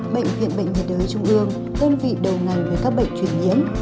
bệnh viện bệnh nhiệt đới trung ương đơn vị đầu ngành về các bệnh truyền nhiễm